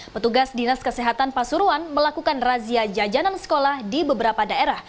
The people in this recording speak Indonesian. petugas dinas kesehatan pasuruan melakukan razia jajanan sekolah di beberapa daerah